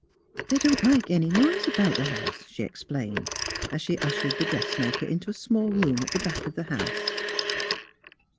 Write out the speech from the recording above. '^ They don't like any noise about the house,'* she explained, as she ushered the dressmaker into a small room at the back of the house.